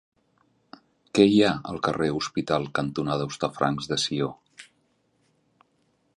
Què hi ha al carrer Hospital cantonada Hostafrancs de Sió?